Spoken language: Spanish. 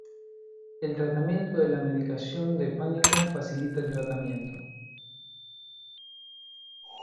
El tratamiento de la medicación de pánico facilita el tratamiento.